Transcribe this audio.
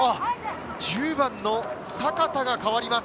１０番の阪田が代わります。